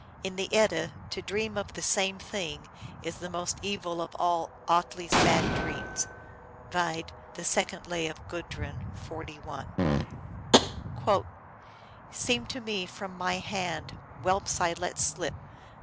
In the Edda to dream of the same thing is the most evil of all Atli s bad dreams (vide the second lay of Gudrun, 41) :" Seemed to me from my hand Whelps I let slip.